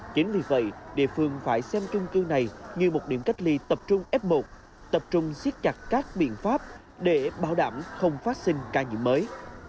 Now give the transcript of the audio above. chính vì vậy địa phương phải xem trung cư này như một điểm cách ly tập trung f một tập trung siết chặt các biện pháp để bảo đảm không phát sinh ca nhiễm mới